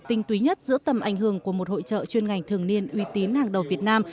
tinh túy nhất giữa tầm ảnh hưởng của một hội trợ chuyên ngành thường niên uy tín hàng đầu việt nam